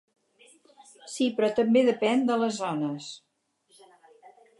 Sí, però també depèn de les zones.